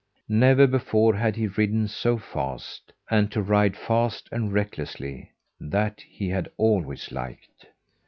Never before had he ridden so fast; and to ride fast and recklessly that he had always liked.